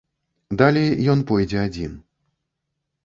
Далей ён пойдзе адзін.